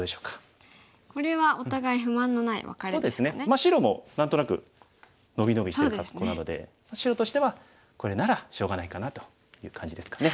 白も何となく伸び伸びしてる格好なので白としてはこれならしょうがないかなという感じですかね。